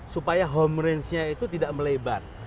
supaya homerangenya itu tidak melebar